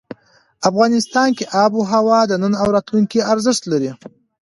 افغانستان کې آب وهوا د نن او راتلونکي ارزښت لري.